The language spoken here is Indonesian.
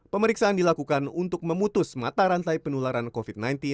pemeriksaan dilakukan untuk memutus mata rantai penularan covid sembilan belas